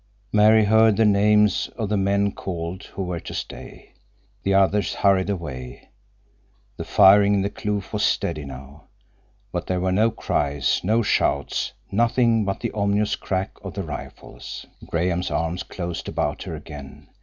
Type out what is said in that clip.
Mary heard the names of the men called who were to stay. The others hurried away. The firing in the kloof was steady now. But there were no cries, no shouts—nothing but the ominous crack of the rifles. Graham's arms closed about her again.